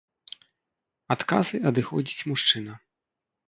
Ад касы адыходзіць мужчына.